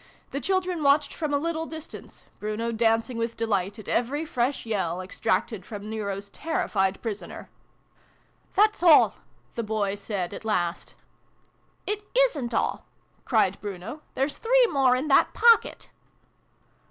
The children watched from a little distance, Bruno dancing with delight at every fresh yell extracted from Nero's terrified prisoner. " That's all," the boy said at last. "It isrit all !" cried Bruno. " There's three more in that pocket